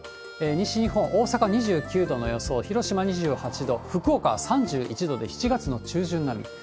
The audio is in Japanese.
西日本、大阪２９度の予想、広島２８度、福岡は３１度で、７月の中旬並み。